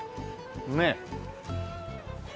ねえ。